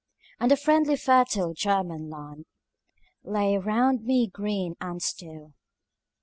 And the friendly fertile German land Lay round me green and still.